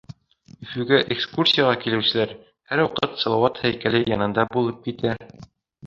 Өфөгә экскурсияға килеүселәр һәр ваҡыт Салауат һәйкәле янында булып китә.